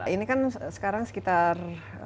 ini kan sekarang sekitar